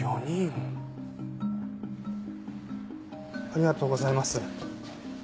ありがとうございます。